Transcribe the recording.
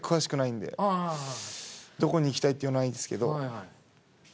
どこに行きたいってのはないんですけど。